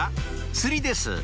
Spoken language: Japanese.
釣りです